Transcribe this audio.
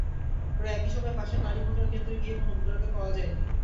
প্রায় একই সময় পাশের নারী ভোটার কেন্দ্রে গিয়ে কোনো ভোটারকে পাওয়া যায়নি।